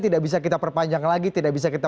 tidak bisa kita perpanjang lagi tidak bisa kita